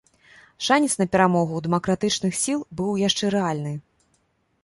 Шанец на перамогу ў дэмакратычных сіл быў яшчэ рэальны.